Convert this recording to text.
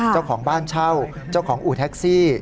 เจ้าของบ้านเช่าเจ้าของอู่แท็กซี่